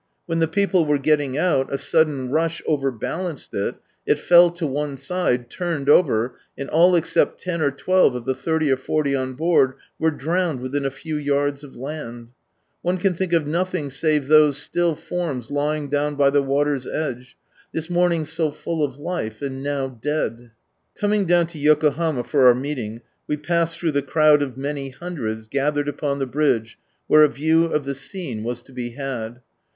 When the people were getting out, a sudden rush overbalanced it, it fell to one side, turned over, and all except ten or twelve of the thirty or forty on board were drowned within a few yards of land. One can think of nothing save those still forms lying down by the water's edge — this morning so full of life, and now dead. Coming down to Yokohama for our meeting, we passed through the crowd of many hundreds gathered upon the bridge where a view of the scene was to be had.